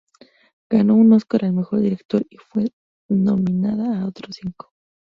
Ganó un Oscar al mejor director, y fue nominada a otros cinco.